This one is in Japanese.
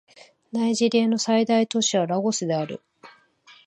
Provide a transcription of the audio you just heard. ナイジェリアの最大都市はラゴスである